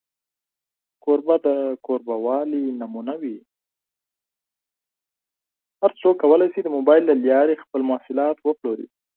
هر څوک کولی شي د مبایل له لارې خپل محصولات وپلوري.